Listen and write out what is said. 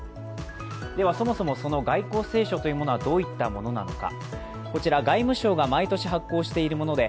そもそも外交青書というものはどういったものなのか。